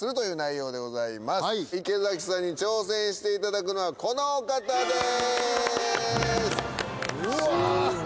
池崎さんに挑戦していただくのはこのお方です！